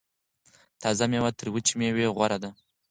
تازه میوه تر وچې میوې غوره ده.